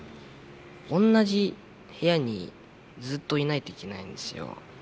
おんなじ部屋にずっといないといけないんですよ。